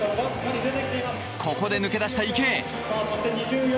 ここで抜け出した池江。